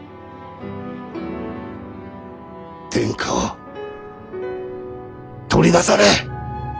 天下を取りなされ！